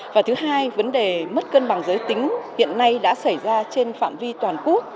và thứ hai vấn đề mất cân bằng giới tính hiện nay đã xảy ra trên phạm vi toàn quốc